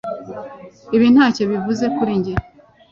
ibi ntacyo bivuze kuri njye